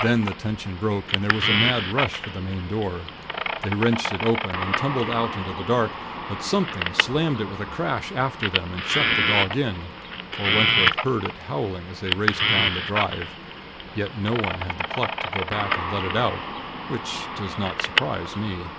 Then the tension broke, and there was a mad rush for the main door. They wrenched it open, and tumbled out into the dark; but something slammed it with a crash after them, and shut the dog in; for Wentworth heard it howling as they raced down the drive. Yet no one had the pluck to go back to let it out, which does not surprise me.